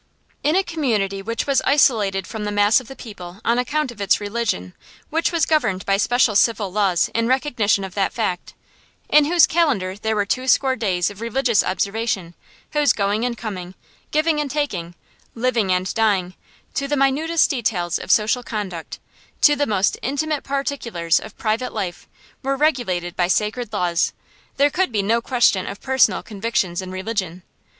In a community which was isolated from the mass of the people on account of its religion; which was governed by special civil laws in recognition of that fact; in whose calendar there were twoscore days of religious observance; whose going and coming, giving and taking, living and dying, to the minutest details of social conduct, to the most intimate particulars of private life, were regulated by sacred laws, there could be no question of personal convictions in religion.